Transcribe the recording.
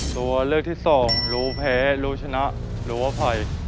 ตัวเลือดที่๒รู้แพ้รู้ชนะรู้อภัย